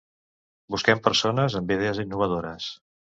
Busquem persones amb idees innovadores.